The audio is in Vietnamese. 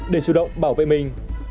để chủ động bảo vệ mình